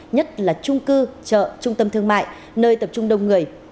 nhất là trung cư chợ trung tâm thương mại nơi tập trung đông người